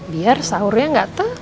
biar sahurnya gak terlat